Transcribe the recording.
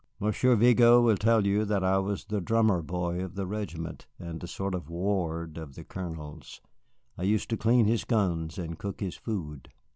"Monsieur Vigo will tell you that I was the drummer boy of the regiment, and a sort of ward of the Colonel's. I used to clean his guns and cook his food."